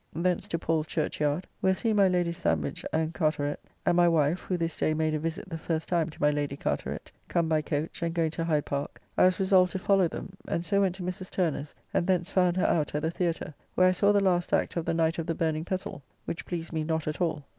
Thence to Paul's Church Yard; where seeing my Lady's Sandwich and Carteret, and my wife (who this day made a visit the first time to my Lady Carteret), come by coach, and going to Hide Park, I was resolved to follow them; and so went to Mrs. Turner's: and thence found her out at the Theatre, where I saw the last act of the "Knight of the Burning Pestle," which pleased me not at all.